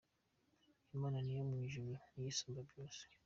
Imana yo mu juru niyo isumba byose…”.